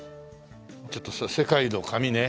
ちょっとさ世界の紙ね。